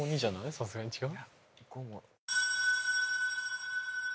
さすがに違う？